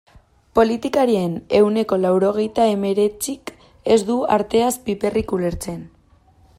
Politikarien ehuneko laurogeita hemeretzik ez du arteaz piperrik ulertzen.